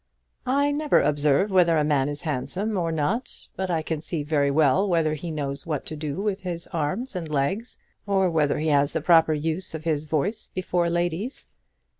"I never observe whether a man is handsome or not; but I can see very well whether he knows what to do with his arms and legs, or whether he has the proper use of his voice before ladies."